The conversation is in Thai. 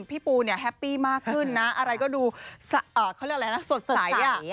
พี่ปูเนี่ยแฮปปี้มากขึ้นนะอะไรก็ดูเขาเรียกอะไรนะสดใส